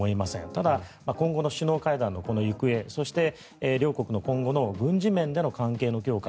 ただ、今後の首脳会談の行方そして、両国の今後の軍事面での関係の強化